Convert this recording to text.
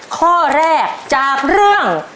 ข้อแรกจากเรื่อง